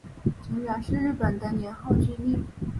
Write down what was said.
承元是日本的年号之一。